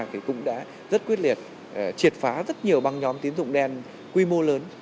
thì cũng đã rất quyết liệt triệt phá rất nhiều băng nhóm tín dụng đen quy mô lớn